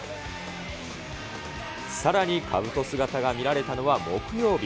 さらにかぶと姿が見られたのは木曜日。